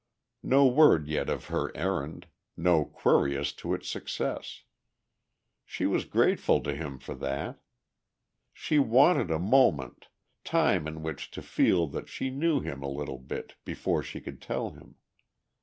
No word yet of her errand, no query as to its success. She was grateful to him for that. She wanted a moment, time in which to feel that she knew him a little bit, before she could tell him.